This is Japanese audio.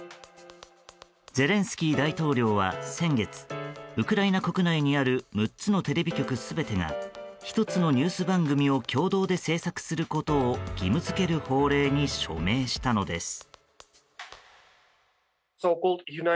ゼレンスキー大統領は先月ウクライナ国内にある６つのテレビ局全てが１つのニュース番組を共同で制作することを義務付ける法令に署名したのです。